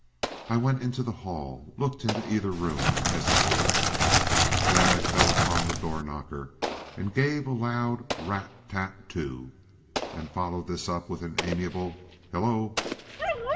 I went into the hall, looked into either room, and hesitated. Then I fell to upon the door knocker and gave a loud rat tat too, and followed this up with an amiable "Hel lo!"